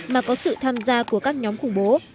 mà có sự tham gia của các nhóm khủng bố